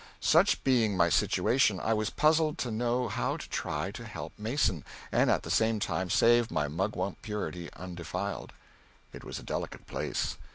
Such being my situation, I was puzzled to know how to try to help Mason, and, at the same time, save my mugwump purity undefiled. It was a delicate place.